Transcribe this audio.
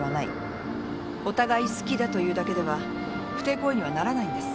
お互い好きだというだけでは不貞行為にはならないんです。